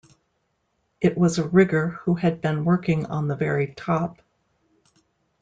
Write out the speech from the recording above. It was a rigger who had been working on the very top.